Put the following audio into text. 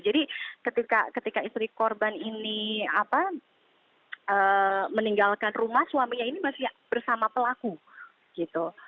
ketika istri korban ini meninggalkan rumah suaminya ini masih bersama pelaku gitu